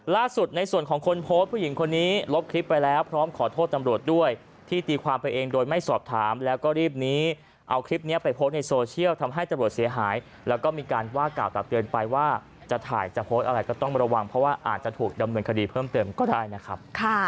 ล่าสุดในส่วนของคนโพสต์ผู้หญิงคนนี้ลบคลิปไปแล้วพร้อมขอโทษตำรวจด้วยที่ตีความไปเองโดยไม่สอบถามแล้วก็รีบนี้เอาคลิปนี้ไปโพสต์ในโซเชียลทำให้ตำรวจเสียหายแล้วก็มีการว่ากล่าวตักเตือนไปว่าจะถ่ายจะโพสต์อะไรก็ต้องระวังเพราะว่าอาจจะถูกดำเนินคดีเพิ่มเติมก็ได้นะครับ